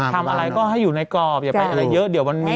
ทำอะไรก็ให้อยู่ในกรอบอย่าไปอะไรเยอะเดี๋ยวมันมี